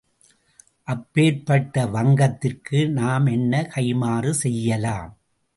அப்பேர்ப்பட்ட வங்கத்திற்கு நாம் என்ன கைமாறு செய்யலாம்.